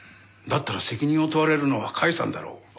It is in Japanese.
だったら責任を問われるのは甲斐さんだろう。